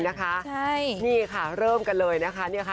นี่ค้าเริ่มกันเลย